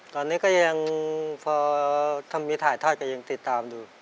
ตอนนี้ก็ยังพอถ้ามีถ่ายทอดก็ยังติดตามอยู่